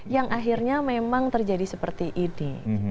yang akhirnya memang terjadi seperti ini